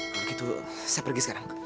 kalau gitu saya pergi sekarang